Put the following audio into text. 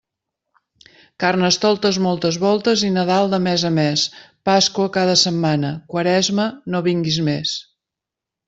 Carnestoltes moltes voltes i Nadal de mes a mes, Pasqua cada setmana; Quaresma, no vingues més.